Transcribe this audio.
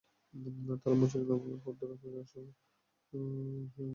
তারপর মসজিদে নববীর পথ ধরে ফিরে আসল।